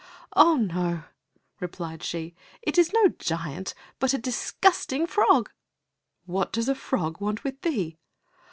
"Ah, no," replied she. "It is no giant but a disgusting frog." "What does a frog want with thee?"